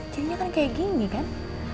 ciknya kan kayak gini kan